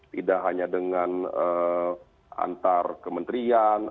tidak hanya dengan antar kementerian